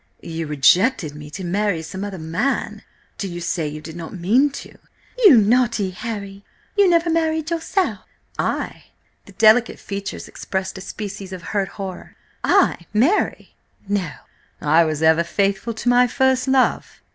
"You rejected me to marry some other man: do you say you did not mean to?" "You naughty Harry! ... You never married yourself?" "I?" The delicate features expressed a species of hurt horror. "I marry? No! I was ever faithful to my first love."